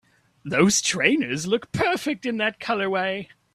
Those trainers look perfect in that colorway!